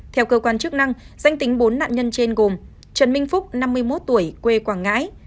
theo cơ quan chức năng danh tính bốn nạn nhân trên gồm trần minh phúc năm mươi một tuổi quê quảng ngãi